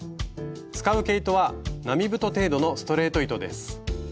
使う毛糸は並太程度のストレート糸です。